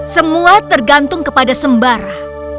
semua tergantung kepada sembara